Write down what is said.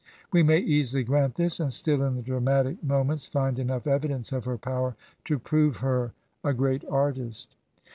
We may easily grant this, and still in the dramatic mo ments find enough evidence of her power to prove her a great artist.